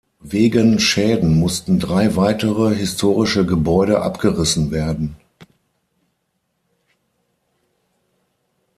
Wegen Schäden mussten drei weitere historische Gebäude abgerissen werden.